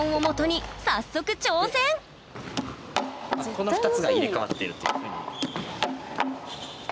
この２つが入れ代わってるっていうふうに。